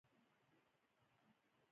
ایا ژوند درباندې تنګ دی ؟